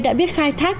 đã biết khai thác